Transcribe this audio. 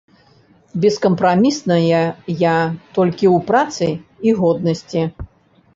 Бескапрамісная я толькі ў працы і годнасці.